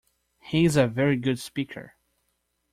He is a very good speaker.